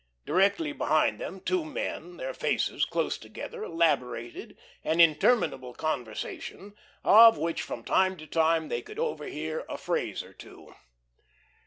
Directly behind them two men, their faces close together, elaborated an interminable conversation, of which from time to time they could overhear a phrase or two.